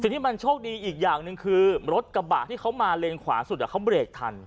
ทีนี้มันโชคดีอีกอย่างหนึ่งคือรถกระบะที่เขามาเลนขวาสุดเขาเบรกทัน